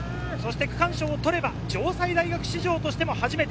区間賞を取れば、城西大学史上初めて。